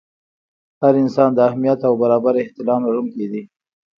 هر انسان د اهمیت او برابر احترام لرونکی دی.